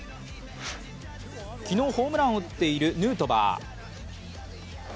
昨日ホームランを打っているヌートバー。